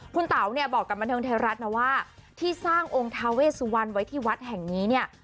คุณเต๋าเนี่ยบอกกับบันเทิงไทยรัฐนะว่าที่สร้างองค์ทาเวสุวรรณไว้ที่วัดแห่งนี้เนี่ย